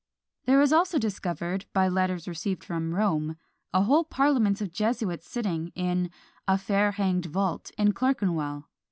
There was also discovered, by letters received from Rome, "a whole parliament of Jesuits sitting" in "a fair hanged vault" in Clerkenwell.